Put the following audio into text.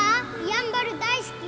やんばる大好き？